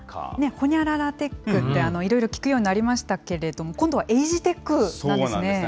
ほにゃららテックって、いろいろ聞くようになりましたけれども、今度はエイジテックなんですね。